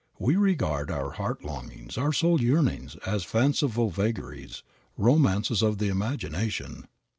We regard our heart longings, our soul yearnings as fanciful vagaries, romances of the imagination.